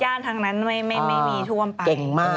ย่านทางนั้นไม่มีท่วมไปเก่งมาก